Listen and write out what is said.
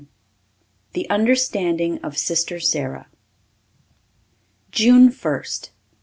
The Understanding of Sister Sara June First.